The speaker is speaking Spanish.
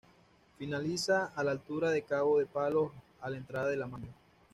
Finaliza a la altura de Cabo de Palos, a la entrada de La Manga.